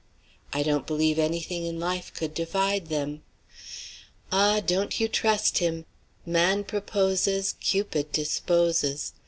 I don't believe any thing in life could divide them." "Ah, don't you trust him! Man proposes, Cupid disposes.